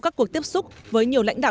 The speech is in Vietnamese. các cuộc tiếp xúc với nhiều lãnh đạo